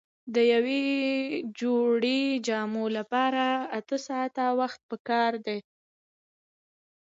د یوې جوړې جامو لپاره اته ساعته وخت پکار دی.